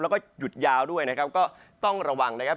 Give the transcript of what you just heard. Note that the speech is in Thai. แล้วก็หยุดยาวด้วยนะครับก็ต้องระวังนะครับ